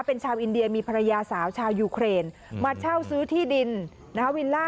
เป็นชาวอินเดียมีภรรยาสาวชาวยูเครนมาเช่าซื้อที่ดินนะคะวิลล่า